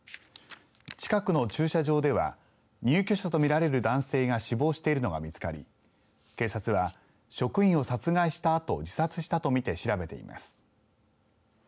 近くの駐車場では入居者とみられる男性が死亡しているのが見つかり警察は職員を殺害したあと自殺したと見て調べています。